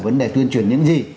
vấn đề tuyên truyền những gì